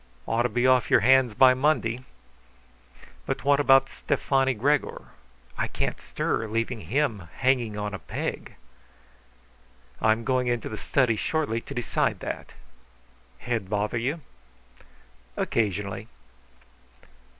"Ought to be off your hands by Monday. But what about Stefani Gregor? I can't stir, leaving him hanging on a peg." "I am going into the study shortly to decide that. Head bother you?" "Occasionally."